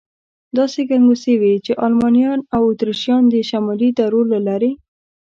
داسې ګنګوسې وې، چې المانیان او اتریشیان د شمالي درو له لارې.